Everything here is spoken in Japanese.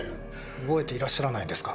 覚えていらっしゃらないんですか？